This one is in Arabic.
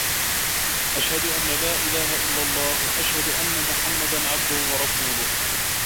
أشهد أن لا إله إلا الله وأشهد أن محمدا عبده ورسوله